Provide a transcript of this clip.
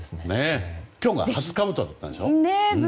今日が初かぶとだったんでしょ。